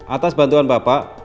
atas bantuan bapak